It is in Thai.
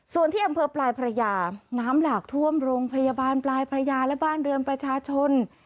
ส่วนที่อำเภอปลายพระยาน้ำหลากท่วมโรงพยาบาลปลายพระยาและบ้านเรือนประชาชน